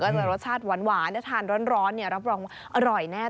จะรสชาติหวานถ้าทานร้อนรับรองว่าอร่อยแน่